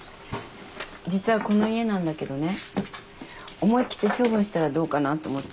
実はこの家なんだけどね思い切って処分したらどうかなと思って。